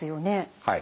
はい。